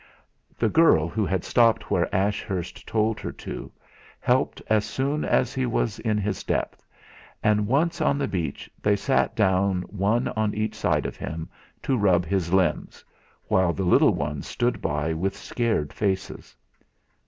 The girl, who had stopped where Ashurst told her to, helped as soon as he was in his depth, and once on the beach they sat down one on each side of him to rub his limbs, while the little ones stood by with scared faces.